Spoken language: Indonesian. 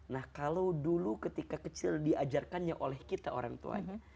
nah kalau dulu ketika kecil diajarkannya oleh kita orang tuanya